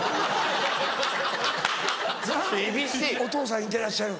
お父さんに似てらっしゃる？